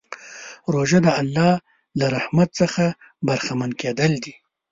روژه د الله له رحمت څخه برخمن کېدل دي.